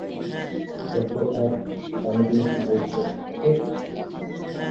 দেখো, অ্যাব, জানি তুমি কী বলছো, ওকে?